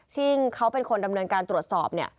ซึ่งเขาเป็นคนดำเนินการตรวจสอบเนี่ย